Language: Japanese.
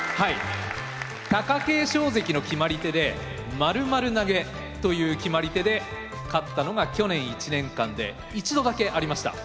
貴景勝関の決まり手で「○○投げ」という決まり手で勝ったのが去年１年間で１度だけありました。